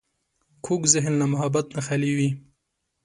کوږ ذهن له محبت نه خالي وي